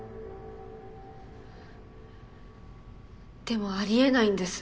でもありえないんです。